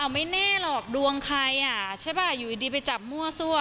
ไม่แน่หรอกดวงใครอยู่ดีไปจับมั่วซั่ว